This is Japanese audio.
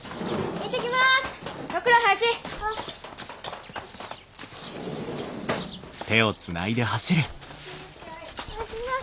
行ってきます。